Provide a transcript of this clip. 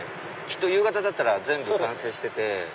きっと夕方だったら全部完成してて。